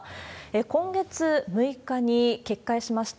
今月６日に決壊しました